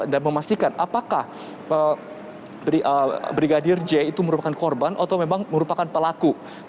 dan memastikan apakah brigadir j itu merupakan korban atau memang merupakan pelaku